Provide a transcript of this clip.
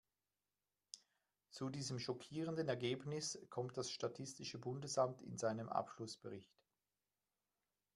Zu diesem schockierenden Ergebnis kommt das statistische Bundesamt in seinem Abschlussbericht.